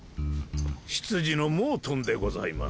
執事のモートンでございます。